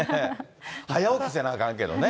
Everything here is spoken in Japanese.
早起きせなあかんけどね。